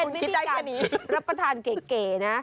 วิธีการรับประทานเก๋นะ